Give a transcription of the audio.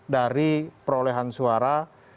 dari perolehan suara